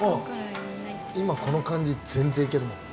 今この感じ全然いけるもんね。